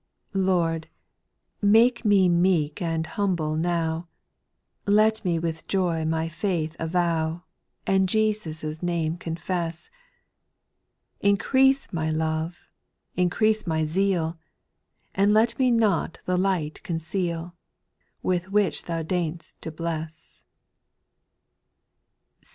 268 SPIRITUAL SONGS. 5. Lord ! make me meek and humble now, Let me with joy my faith avow, And Jesus' name confess ; Increase my love, increase my zeal, And let me not the light conceal. With which Thou deign'st to bless.